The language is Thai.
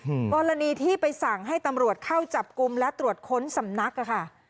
อืมกรณีที่ไปสั่งให้ตำรวจเข้าจับกลุ่มและตรวจค้นสำนักอ่ะค่ะ